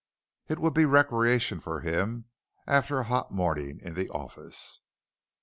It would be recreation for him after a hot morning in the office.